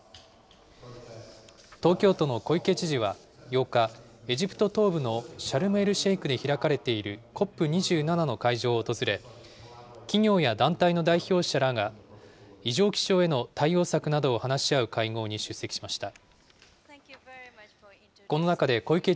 東京都の小池知事は８日、エジプト東部のシャルムエルシェイクで開かれているＣＯＰ２７の会場を訪れ、企業や団体の代表者らが異常気象への対応策などを話し合う会合に出席しました。